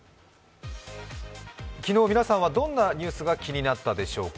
昨日皆さんはどんなニュースが気になったでしょうか。